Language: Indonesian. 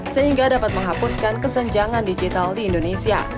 sehingga dapat menghapuskan kesenjangan digital di indonesia